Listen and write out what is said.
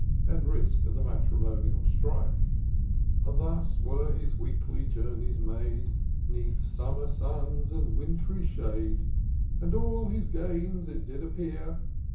And risk the matrimonial strife. Thus were his weekly joumies made, 'Neath simimer suns and wintry shade ; And all his gains, it did appear.